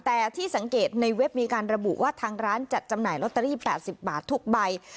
แต่ที่สังเกตในเว็บมีการระบุว่าทางร้านจัดจำหน่ายลอตเตอรี่๘๐บาททุกใบ